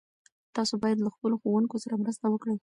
تاسو باید له خپلو ښوونکو سره مرسته وکړئ.